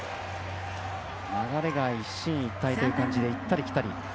流れが一進一退という感じで行ったり来たり。